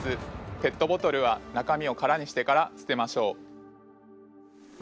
ペットボトルは中身を空にしてから捨てましょう！